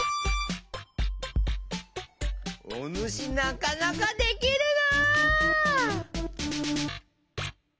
おぬしなかなかできるな！